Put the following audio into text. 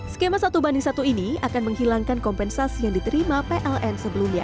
skema satu banding satu ini akan menghilangkan kompensasi yang diterima pln sebelumnya